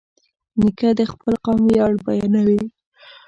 نیکه د خپل قوم ویاړ بیانوي.